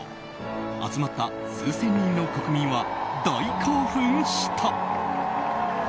集まった数千人の国民は大興奮した。